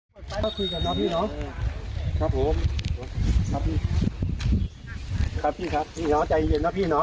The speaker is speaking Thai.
มาคุยกับน้องพี่น้องครับผมครับพี่ครับพี่ครับพี่น้องใจเย็นนะพี่น้อง